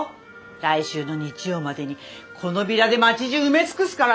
来週の日曜までにこのビラで町じゅう埋め尽くすからね！